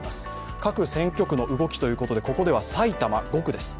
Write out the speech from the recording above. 各選挙区の動きということで、ここでは埼玉５区です。